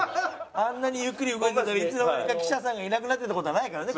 あんなにゆっくり動いてたのにいつの間にか記者さんがいなくなってるって事はないからね。